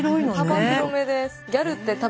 幅広めです。